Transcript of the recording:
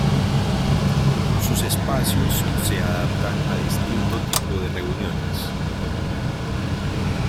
Sus espacios se adaptan a distinto tipo de reuniones.